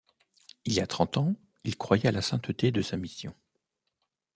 Il y a trente ans, il croyait à la sainteté de sa mission.